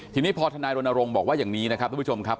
ทีนี้พอทนายรณรงค์บอกว่าอย่างนี้นะครับทุกผู้ชมครับ